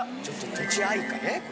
ちょっととちあいかね